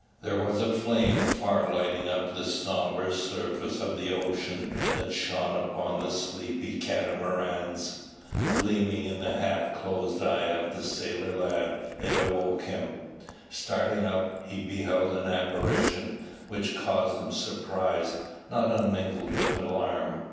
There was a flame far lighting up the sombre surface of the ocean that shone upon the sleepy Catamarans. Gleaming in the half closed eye of the sailor lad, it awoke him. Starting up, he beheld an apparition, which caused him surprise, not unmingled with alarm.